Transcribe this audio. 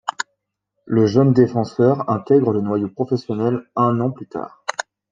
Le jeune défenseur intègre le noyau professionnel un an plus tard.